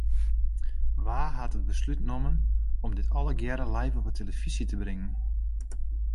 Wa hat it beslút nommen om dit allegearre live op 'e telefyzje te bringen?